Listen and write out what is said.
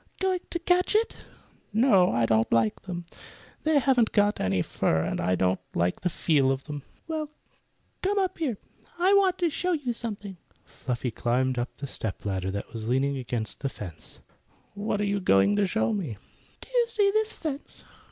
"Going to catch it?" "No, I don't like them. They haven't any fur, and I don't like the feel of them." "Well, come on up here. I want to show you something." Fluffy climbed up a step ladder that was leaning against the fence. "What are you going to show me?" "Do you see this fence?